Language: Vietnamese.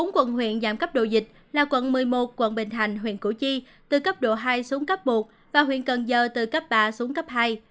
bốn quận huyện giảm cấp độ dịch là quận một mươi một quận bình thành huyện củ chi từ cấp độ hai xuống cấp một và huyện cần giờ từ cấp ba xuống cấp hai